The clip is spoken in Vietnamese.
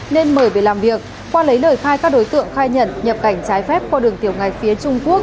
nên mời về làm việc qua lấy lời khai các đối tượng khai nhận nhập cảnh trái phép qua đường tiểu ngạch phía trung quốc